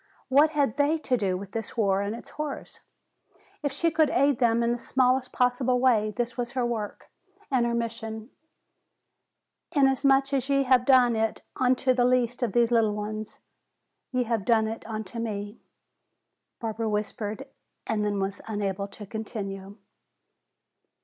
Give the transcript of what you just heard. What had they to do with this war and its horrors? If she could aid them in the smallest possible way, this was her work and her mission. 'Inasmuch as ye have done it unto the least of these little ones, ye have done it unto me,'" Barbara whispered, and then was unable to continue.